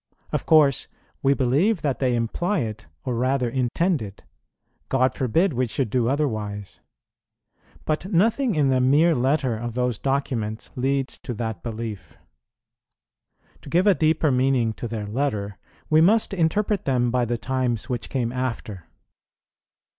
Of course we believe that they imply it, or rather intend it. God forbid we should do otherwise! But nothing in the mere letter of those documents leads to that belief. To give a deeper meaning to their letter, we must interpret them by the times which came after.